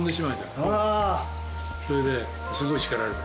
それですごい叱られた。